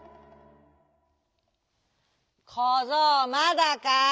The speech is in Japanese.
「こぞうまだか？」。